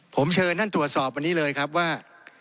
ผมเชิญท่านตรวจสอบวันนี้เลยครับว่า